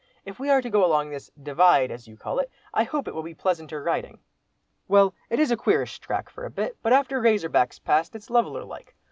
If we are to go along this 'Divide,' as you call it, I hope it will be pleasanter riding." "Well, it is a queerish track for a bit, but after Razor Back's passed, it's leveller like.